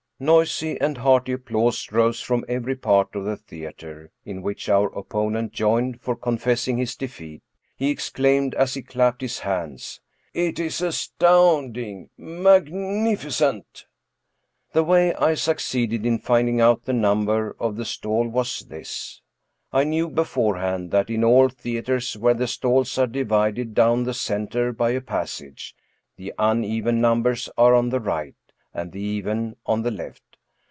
Noisy and hearty applause rose from every part of the theater, in which our opponent joined, for, confessing his defeat, he exclaimed, as he clapped his hands, " It is as tounding — ^magnificent !" The way I succeeded in finding out the number of the stall was this : I knew beforehand that in all theaters where the stalls are divided down the center by a passage, the uneven numbers are on the right, and the even on the left.